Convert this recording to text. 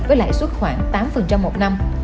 với lãi suất khoảng tám một năm